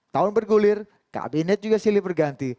tahun bergulir kabinet juga silih berganti